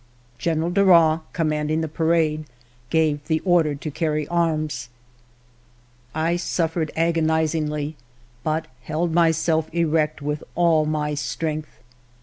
General Darras, com manding the parade, gave the order to carry arms. I suffered agonizingly, but held myself erect with all my strength.